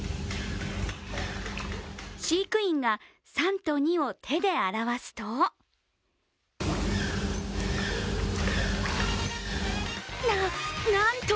飼育員が３と２を手で表すとなっ、なんと！